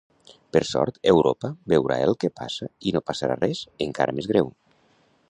Per sort, Europa veurà el que passa i no passarà res encara més greu.